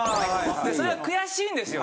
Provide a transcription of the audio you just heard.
それが悔しいんですよ。